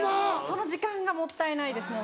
その時間がもったいないです。